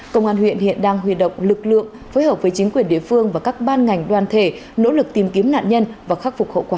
công an huyện hiện đang huy động lực lượng phối hợp với chính quyền địa phương và các ban ngành đoàn thể nỗ lực tìm kiếm nạn nhân và khắc phục hậu quả